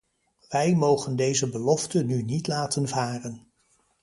Wij mogen deze belofte nu niet laten varen.